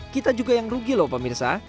kita juga yang rugi loh pemirsa